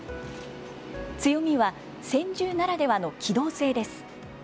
強みは専従ならではの機動性です。